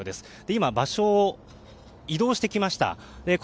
今、場所を移動してきました。